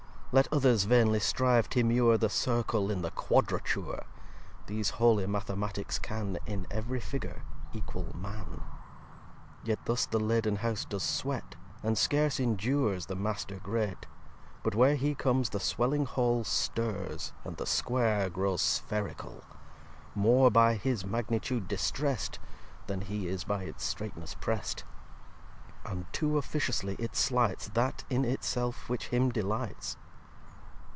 Let others vainly strive t'immure The Circle in the Quadrature! These holy Mathematicks can In ev'ry Figure equal Man. vii Yet thus the laden House does sweat, And scarce indures the Master great: But where he comes the swelling Hall Stirs, and the Square grows Spherical; More by his Magnitude distrest, Than he is by its straitness prest: And too officiously it slights That in it self which him delights.